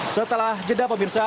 setelah jeda pemirsa